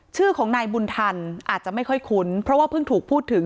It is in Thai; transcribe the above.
ชื่อของนายบุญทันอาจจะไม่ค่อยคุ้นเพราะว่าเพิ่งถูกพูดถึง